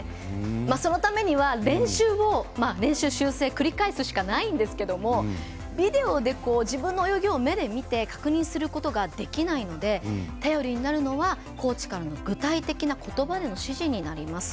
そのためには練習と修正を繰り返すしかないんでけどビデオで自分の泳ぎを目で見て確認することができないので頼りになるのはコーチからの具体的なことばでの指示になります。